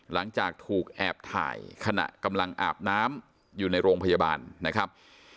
หลังจากถูกแอบถ่ายขณะกำลังอาบน้ำอยู่ในโรงพยาบาลนะครับ